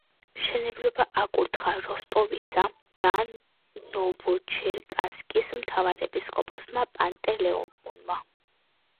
მშენებლობა აკურთხა როსტოვისა და ნოვოჩერკასკის მთავარეპისკოპოსმა პანტელეიმონმა.